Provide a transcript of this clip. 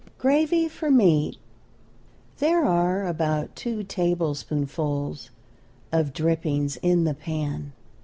GRAVY FOR MEAT. There are about two tablespoonfuls of drippings in the pan.